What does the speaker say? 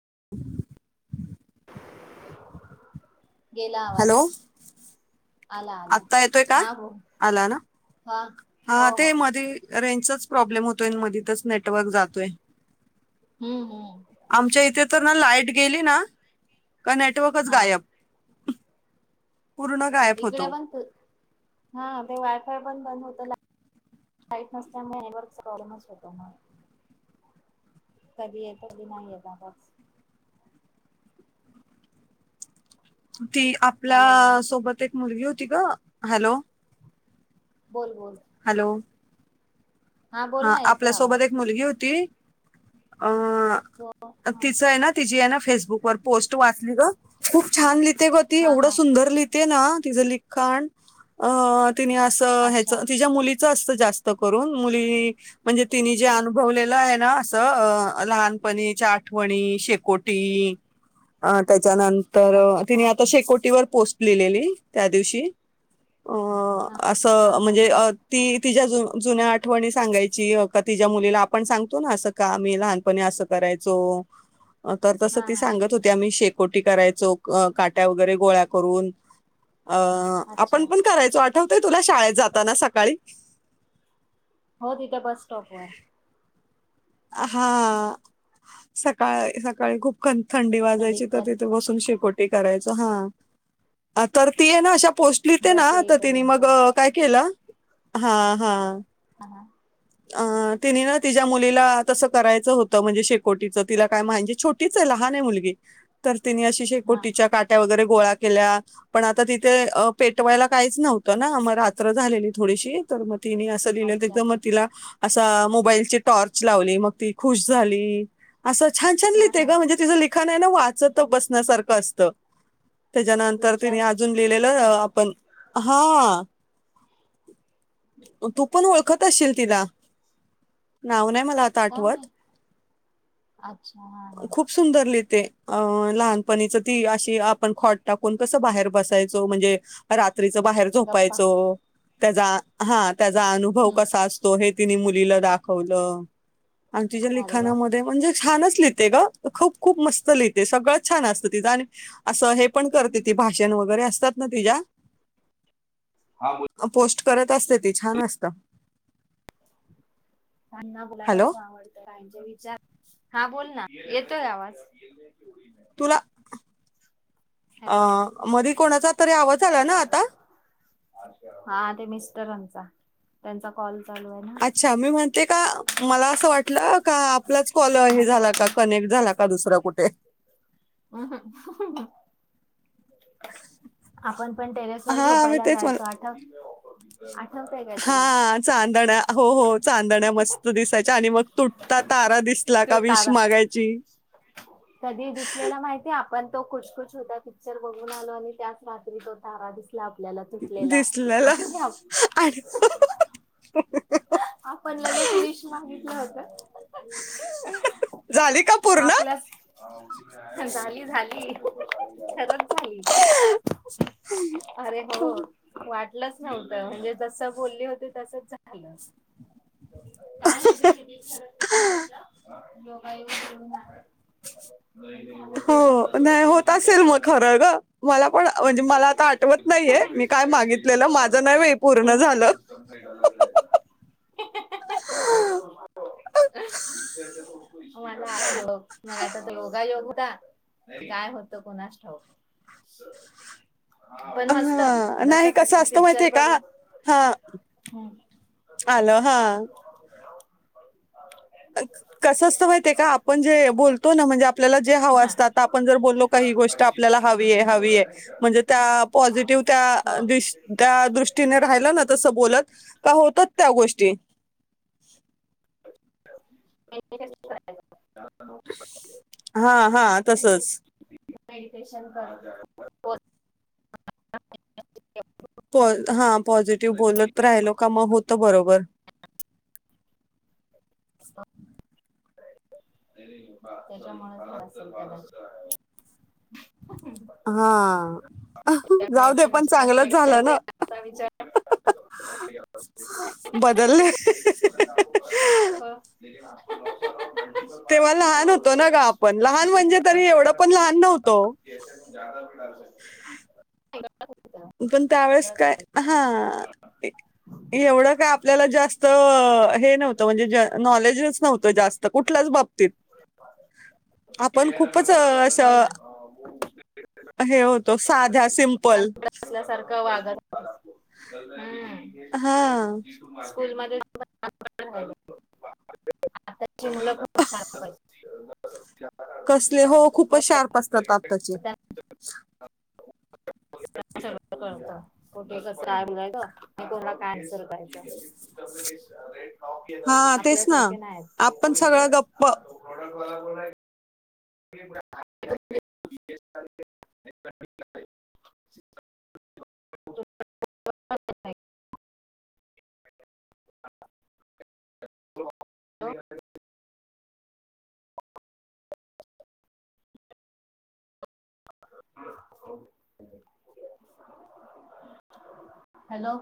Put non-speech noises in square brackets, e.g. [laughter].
[unintelligible] गेला हॅलो आवाज. आला आला आत्ता येतोय का? हा बो आला ना हा हा हो हो ते मधे. रेंजचाच प्रॉब्लेम होतोय? म तिथचं नेटवर्क जातोय. हम्म हम्म आमच्या इथे, तर ना लाईट गेली ना? का नेटवर्कच हा गायब. पूर्ण गायब होतो इकडं पण खूप हा ते वाय फाय पण बंद होत, लाईट नसल्यामुळे नेटवर्कचा प्रॉब्लेमच होतो. कधी येतो कधी नाही येत अस.? ती हॅलो आपल्या सोबत एक मुलगी होती, ग हॅलो! बोल, बोल. हॅलो बोल हा ना येतोय आपल्यासोबत आवाज एक मुलगी होती. हो अ हा तिचं आहे, ना तिची आहे ना फेसबुक वर पोस्ट वाचली ग खूप छान! लि लिहिते, गं ती हा एवढं हा सुंदर लिहीते, ना तिचं लिखाण अ तिने अस ह्याच अच्छा तिच्या मुलीचं असतं जास्त करून मु ती म्हणजे तिने जे अनुभवलेला आहेना, असं लहानपणीच्या आठवणी कोटी आ त्यानंतर हा तिने आता शेकोटीवर पोस्ट लिहिलेली त्या दिवशी. अ हा हा असं हा म्हणजे, हा ती तिच्या जुन्या आठ आठवणी सांगायची का तिच्या मुलीला आपण सांगतो ना असं का आम्ही लहानपणी असं करायचो. तर तसं हा ती हा सांगत होती आम्ही शेकोटी करायचो काट्या वगैरे गोळा करून. अं अच्छा आपण पण करायचो आठवतोय तुला शाळेत जाताना सकाळी? हो तिथे बस सटॉपवर. हा सकाळ सकाळी खूप खंत. थंडी वाजायची तर थंडीच्या तिथे दिवसात बसून शेकोटी करायचो हा तर ती आहे ना अशा पोस्ट लिहीते ना बस ता तिने येईपर्यंत मग काय केलं हा हा. ह हा अ तिनी ना तिच्या मुलीला तसा करायच होत म्हणजे शेकोटीच तिला काय म्ह छोटीच आहे लहान आहे मुलगी. तिनी अशी हा शेकोटीच्या काट्या वगैरे गोळा केल्या पण आता तिथेे पे पेटवायला काहीच नव्हतं ना म रात्र झालेली थोडीशी तर मग तिने असं अच्छा लिहिलं मग तिला असा मोबाईलची टॉर्च लावली मग ती खुश झाली. असं छान छान हा लिहिते हा ग म्हणजे तिचं लिखाण आहे ना वाचत बसण्यासारखं असतं. त्याच्यानंतर तिने विचार अजून लिहिलेलं हम्म आपण हा. तू पण ओळखत असशील तिला नाव नाही मला आता काय आठवत माहित अच्छा हा हा खुप सुंदर लिहीत ते लहानपणीच ती अशी आपण खाट टाकून कसं बाहेर बसायचो म्हणजे रात्री रात्रीच बाहेर गप्पा झोपायचो त्याचा हा त्याचा अनुभव हम्म कसा असतो. तिने मुलीला दाखवलं. आणि तिच्या अरे वा लिखाणामध्ये म्हणजे छानच लिहिते ग खूप खूप मस्त लिहिते. ते सगळंच छान असतं तिच असं हे पण करते ती भाषण वगैरे असतात. न तिजा हा बोल पोस्ट करत असते ती छान असत. काहीना बोलायला खूप आवडतं काहिंचे विचार हा बोल ना येतोय आवाज. तुला अ हॅलो मधे कोणाचा कोणाचा तरी आवाज आला ना आता. हा ते मिस्टरांचा त्यांचा कॉल. चालू आहे ना अच्छा मी म्हणते का मला असं वाटलं का आपलाच कॉल हे झाला का कनेक्ट झाला का दुसरा कुठे. अहा. आपण पण टेरेस वर हा मी झोपायला तेच म्हण जायचो आठवतय? काय तुला हा चांदण्या हो हो चांदण्या मस्त दिसायच्या आणि मग तुटता तारा दिस ला तो का विष तारा मागायची. कधी दिसलेला माहिती आपण तो खुचखुच होता पिक्चर बघून आलो आणि त्याच रात्री तो तारा दिसला. आपल्याला तुटलेला दिसलेला आणि आणि आपण लगेच विश मागितलं होतं. झाली का. पूर्ण आपलास झाली झाली. खरच झाली अरे हो वाटत लंच नव्हतं म्हणजे जसं बोलले होते तसच झालं. काय माहिती किती खरं किती खोट योगायोग हो ह. हो नाही होत असेल मग खरं ग. मला पण सिस्टम म्हणजे से मला आता आठवत नाहीये डेली मी बेसिस काय लाइट चेंज मागितलेलं होता है हमारे माझं यहाँ नाही वेळ पे पूर्ण आज का झालं. [unintelligible] मला मग आता योगायोग काय होतं कुणास ठाऊक. पण मस्त हा जसा नाही कसं असतं पिक्चर माहितीये का बघून ह आलो हा. कसं असत माहि ते का आपण जे बोलतो ना म्हणजे आपल्याला जे हव हा असत आता आपण बोलो का गोष्ट आपल्याला हवी आहे हवी म्हणजे पॉझिटिव्ह हो त्या त्या दृष्टीने राहिलं ना तस बोलत का होतच त्या गोष्टी. करायच. हा हा तसच. मेडिटेशन कर. प हा पॉझिटिव्ह बोलत राहिलो का मग होत बरोबर. [inaudible] त्याच्यामुळे हा त्या जाऊ दे वेळेचे पण विचार चांगलंच वेगळे झालं होते ना. आता विचार [inaudible] बदलले [unintelligible] ह [unintelligible] द लहान म्हणजे तरी एवढं पण लहान नव्हतो [unintelligible] [unintelligible] पण त्यावेळेस काय करता. हा एवढं काय आपल्याला जास्त हे नव्हतं म्हणजे नॉलेजच नव्हतं जास्त कुठल्याच बाबतीत. आपण खूपच अ, होय असं ना. तो साध्या सिम्पल ल्यासारखं वाघ हम्म हां. [unintelligible] स्कूल म आताची मुलं खूप शांत कसले हो खूपच शार्प असतात आत्ताचे [unintelligible] कुठे कसय मुलाय कोणाला कायन्सर करायचं हां, तेच आपलं ना. सारखे नाही आहेत. आपण सगळं गप्प [unintelligible] [unintelligible] [unintelligible] हो [unintelligible] हॅलो